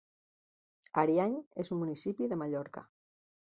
Ariany és un municipi de Mallorca.